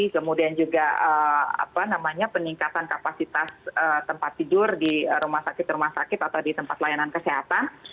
kemudian juga peningkatan kapasitas tempat tidur di rumah sakit rumah sakit atau di tempat layanan kesehatan